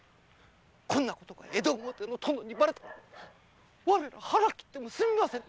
こんなことが江戸表の殿にばれたら我ら腹切っても済みませぬ。